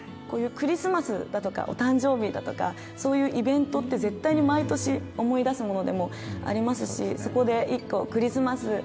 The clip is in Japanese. こういうクリスマスだとかお誕生日だとかそういうイベントって絶対に毎年思い出すものでもありますしそこで１個クリスマス